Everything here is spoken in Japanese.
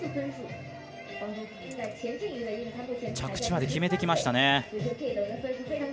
着地まで決めてきましたね。